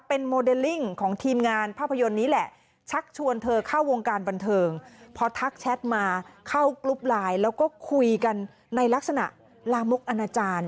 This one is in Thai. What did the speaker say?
เป็นโมเดลลิ่งของทีมงานภาพยนตร์นี้แหละชักชวนเธอเข้าวงการบันเทิงพอทักแชทมาเข้ากรุ๊ปไลน์แล้วก็คุยกันในลักษณะลามกอนาจารย์